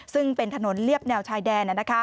ซึ่งเป็นถนนเรียบแนวชายแดน